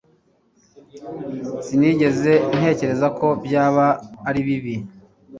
sinigeze ntekereza ko byaba ari bibi